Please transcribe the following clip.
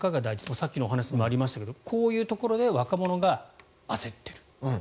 さっきのお話にもありましたがこういうところで若者が焦ってる。